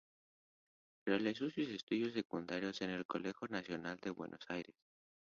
Realizó sus estudios secundarios en el Colegio de Nacional Buenos Aires.